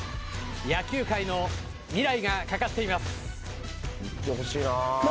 野球界の未来がかかっています。